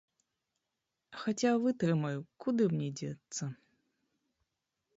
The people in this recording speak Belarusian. Хаця вытрымаю, куды мне дзецца?